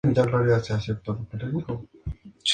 San Isidro, una iglesia, un tanatorio y una plaza pública.